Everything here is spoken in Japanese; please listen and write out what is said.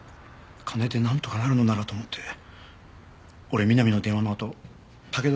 金でなんとかなるものならと思って俺美波の電話のあと武田の店に向かったんです。